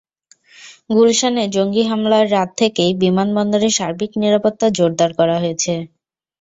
গুলশানে জঙ্গি হামলার রাত থেকেই বিমানবন্দরের সার্বিক নিরাপত্তা জোরদার করা হয়েছে।